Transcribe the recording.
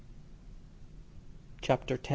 CHAPTER X.